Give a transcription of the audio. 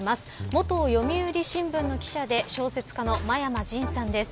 元読売新聞の記者で小説家の真山仁さんです。